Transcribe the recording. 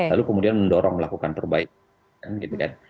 lalu kemudian mendorong melakukan perbaikan